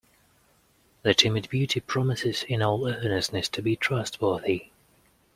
The timid beauty promises in all earnestness to be trustworthy.